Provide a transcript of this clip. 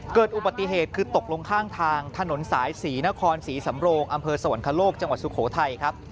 เกิดอุบัติเหตุคือตกลงข้างทางถนนสายศรีนครศรีสำโรงอำเภอสวรรคโลกจังหวัดสุโขทัยครับ